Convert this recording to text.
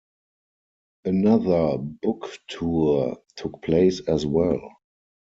Another book tour took place as well.